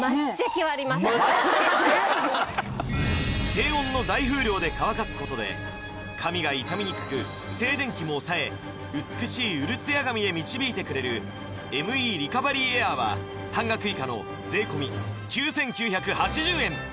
低温の大風量で乾かすことで髪が傷みにくく静電気も抑え美しいうるツヤ髪へ導いてくれるＭＥリカバリーエアーは半額以下の税込９９８０円